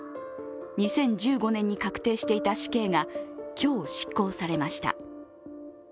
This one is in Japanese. ２０１５年に確定していた死刑が、今日執行されました。